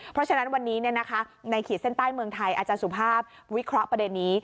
เพราะฉะนั้นวันนี้ในขีดเส้นใต้เมืองไทยอาจารย์สุภาพวิเคราะห์ประเด็นนี้